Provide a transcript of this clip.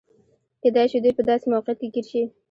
کېدای شي دوی په داسې موقعیت کې ګیر شي.